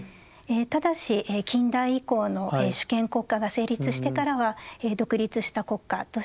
ただし近代以降の主権国家が成立してからは独立した国家として存続してきました。